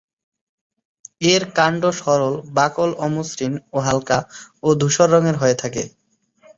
এর কাণ্ড সরল, বাকল অমসৃণ ও হালকা ও ধূসর রঙের হয়ে থাকে।